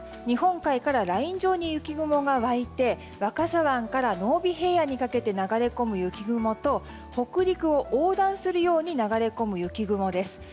日本海からライン状に雪雲が湧いて若狭湾から濃尾平野にかけて流れ込む雪雲と北陸を横断するように流れ込む雪雲です。